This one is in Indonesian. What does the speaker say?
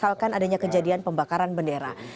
misalkan adanya kejadian pembakaran bendera